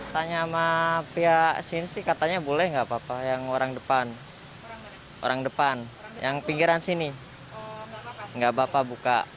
tanya sama pihak sini sih katanya boleh nggak apa apa yang orang depan orang depan yang pinggiran sini nggak bapak buka